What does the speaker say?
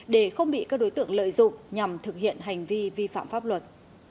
để không bị các đối tượng lợi dụng nhằm thực hiện hành vi vi phạm pháp luật